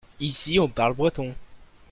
ici on parle breton.